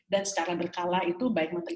dan secara berkala itu baik menteri